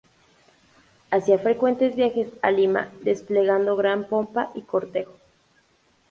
Hacía frecuentes viajes a Lima, desplegando gran pompa y cortejo.